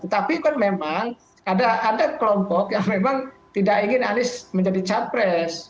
tapi kan memang ada kelompok yang memang tidak ingin anies menjadi capres